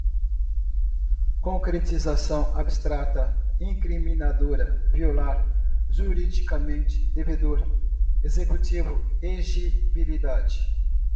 concretização, abstrata, incriminadora, violar, juridicamente, devedor, executivo exigibilidade